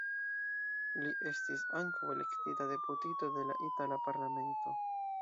Li estis ankaŭ elektita deputito de la itala parlamento.